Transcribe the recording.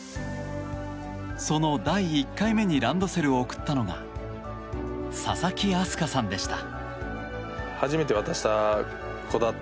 その第１回目にランドセルを贈ったのが佐々木飛鳥さんでした。